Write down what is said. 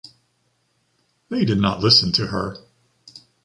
They did not listen to her.